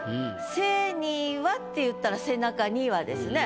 「背には」っていったら背中にはですね。